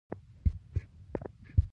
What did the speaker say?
د اسمان د خم رنګونه